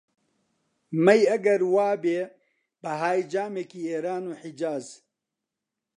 مەی ئەگەر وا بێ بەهای جامێکی، ئێران و حیجاز